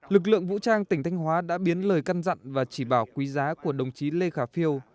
lực lượng vũ trang tỉnh thanh hóa đã biến lời căn dặn và chỉ bảo quý giá của đồng chí lê khả phiêu